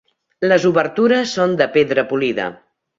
Les obertures són de pedra polida.